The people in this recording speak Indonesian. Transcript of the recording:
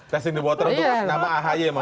testing the water itu nama ahy maksudnya ya